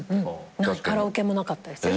カラオケもなかったですね。